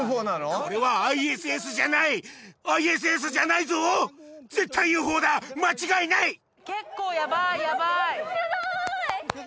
これはＩＳＳじゃないＩＳＳじゃないぞ絶対ＵＦＯだ間違いない結構ヤバイヤバイすごい！